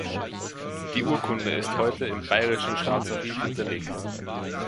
Die Urkunde ist heute im Bayerischen Staatsarchiv hinterlegt.